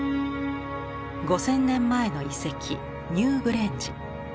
５，０００年前の遺跡ニューグレンジ。